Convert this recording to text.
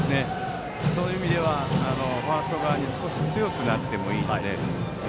そういう意味ではファースト側に少し強くなってもいいので。